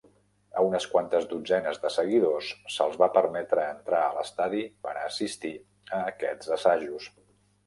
A unes quantes dotzenes de seguidors se'ls va permetre entrar a l'estadi per assistir a aquests assajos.